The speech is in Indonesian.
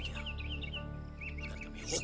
agar kami menghukumnya